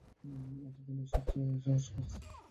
এটা দুনিয়ার সবচেয়ে সহজ কাজ।